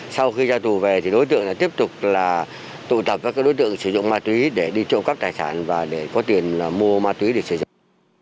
sau khi ra tù về thì đối tượng tiếp tục là tụ tập các đối tượng sử dụng ma túy để đi trộm cắp tài sản và để có tiền mua ma túy để sử dụng